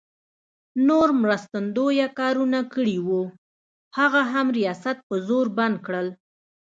نور مرستندویه کارونه کړي وو، هغه هم ریاست په زور بند کړل.